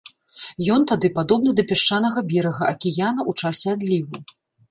Ён тады падобны да пясчанага берага акіяна ў часе адліву.